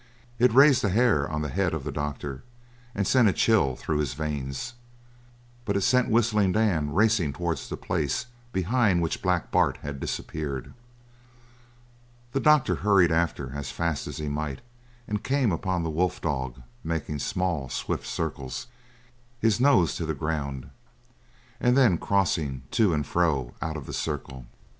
It raised the hair on the head of the doctor and sent a chill through his veins; but it sent Whistling Dan racing towards the place behind which Black Bart had disappeared. The doctor hurried after as fast as he might and came upon the wolf dog making small, swift circles, his nose to the ground, and then crossing to and fro out of the circles.